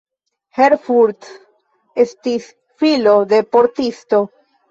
Herfurth estis filo de postisto.